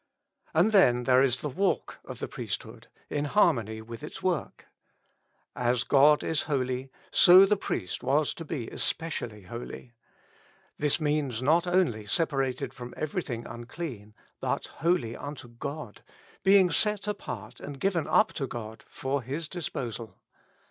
And then there is the lualk of the priesthood, in har mony with its work. As God is holy, so the priest was to be especially holy. This means not only separated from everything unclean, but holy unto God, being set apart and given up to God for His disposal.